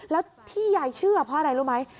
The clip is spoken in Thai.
แล้วที่ยายเชื่อเพราะอะไรรู้ไหม